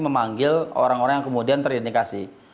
memanggil orang orang yang kemudian terindikasi